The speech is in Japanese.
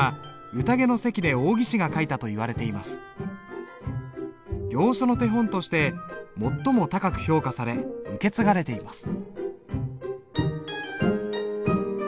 王羲之の最高傑作行書の手本として最も高く評価され受け継がれています。